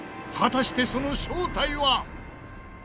果たしてその正体は！？